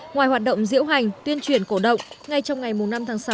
ngoài hoạt động diễu hành tuyên truyền cổ động ngay trong ngày năm tháng sáu